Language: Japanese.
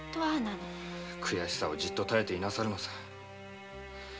悔しさをじっと耐えているんだ。